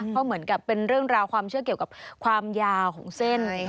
เพราะเหมือนกับเป็นเรื่องราวความเชื่อเกี่ยวกับความยาวของเส้น